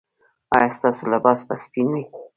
ایا ستاسو لباس به سپین وي؟